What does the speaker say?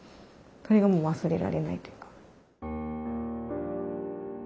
それがもう忘れられないというか。